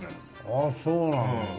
ああそうなんだ。